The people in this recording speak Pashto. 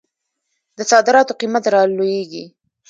د صادراتو قیمت رالویږي.